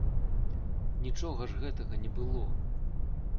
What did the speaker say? Нічога ж гэтага не было.